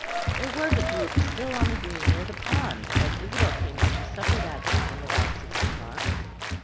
There was a group still on the green near the pond as Isabel came up to supper that evening about six o'clock.